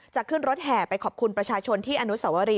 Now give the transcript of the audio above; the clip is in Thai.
ขึ้นรถแห่ไปขอบคุณประชาชนที่อนุสวรี